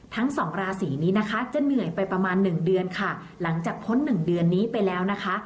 ทั้งสองราศีนี้นะคะจะเหนื่อยไปประมาณหนึ่งเดือนค่ะหลังจากพ้นหนึ่งเดือนนี้ไปแล้วนะคะ